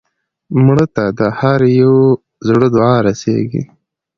مړه ته د هر یو زړه دعا رسېږي